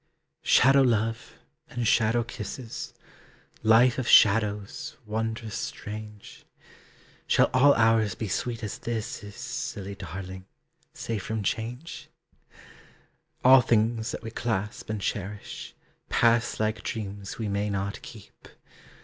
Shadow love and shadow kisses, Life of shadows, wondrous strange! Shall all hours be sweet as this is, Silly darling, safe from change? All things that we clasp and cherish, Pass like dreams we may not keep.